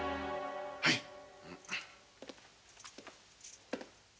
はい。